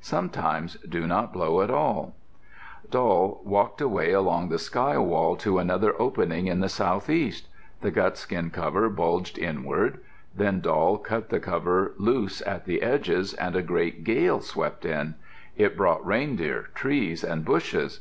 Sometimes do not blow at all." Doll walked along the sky wall to another opening at the southeast. The gut skin cover bulged inward. Then Doll cut the cover loose at the edges, and a great gale swept in. It brought reindeer, trees, and bushes.